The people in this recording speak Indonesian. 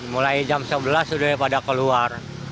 mulai jam sebelas sudah pada keluar